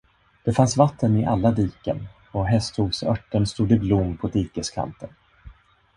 Det fanns vatten i alla diken, och hästhovsörten stod i blom på dikeskanten.